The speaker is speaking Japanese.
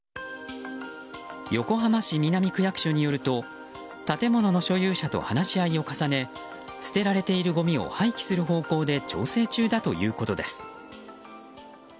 横浜市南区役所によると建物の所有者と話し合いを重ね捨てられているごみを廃棄する方向で調整中だということです。